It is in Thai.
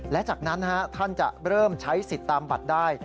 และจากนั้นท่านจะเริ่มใช้สิทธิ์ตามบัตรได้